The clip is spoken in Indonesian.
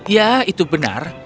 ya itu benar